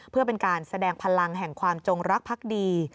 เพื่อเป็นการแสดงพลังแห่งความจงรักพักดี